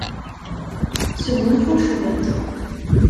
Sgunfu cwiṭ.